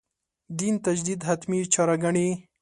دین تجدید «حتمي» چاره ګڼي.